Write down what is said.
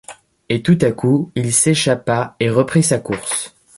Et tout à coup, il s’échappa et reprit sa course.